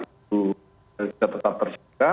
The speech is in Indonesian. itu tetap terjaga